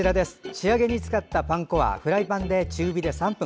仕上げに使ったパン粉はフライパンで中火で３分。